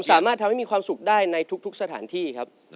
สามารถทำให้มีความสุขได้ในทุกสถานที่ครับ